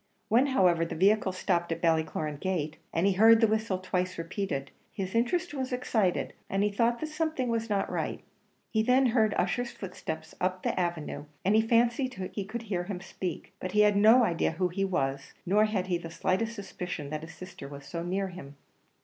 When, however, the vehicle stopped at Ballycloran gate, and he heard the whistle twice repeated, his interest was excited, and he thought that something was not right. He then heard Ussher's footsteps up the avenue, and he fancied he could hear him speak; but he had no idea who he was; nor had he the slightest suspicion that his sister was so near him.